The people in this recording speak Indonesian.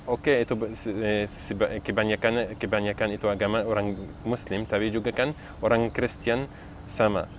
oke itu kebanyakan itu agama orang muslim tapi juga kan orang christian sama